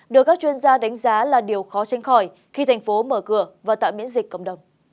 được các chuyên gia đánh giá là điều khó tránh khỏi khi thành phố mở cửa và tạo miễn dịch cộng đồng